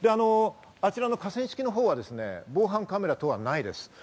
あちらの河川敷のほうは防犯カメラ等はないです。